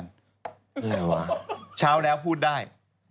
อะไรวะเช้าแล้วพูดได้